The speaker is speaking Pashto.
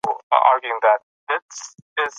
د یتیمانو پالنه ډېر ثواب لري.